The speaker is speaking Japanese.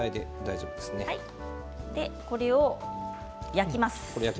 これを焼きます。